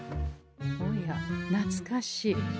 おやなつかしい。